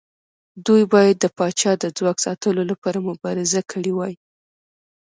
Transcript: دوی باید د پاچا د ځواک ساتلو لپاره مبارزه کړې وای.